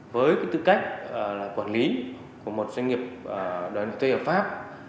với tư cách là quản lý của một doanh nghiệp đòi nợ thuê ở pháp